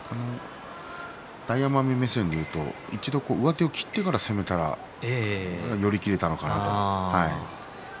大奄美目線で言うと一度上手を切ってから寄り切れたのかなと。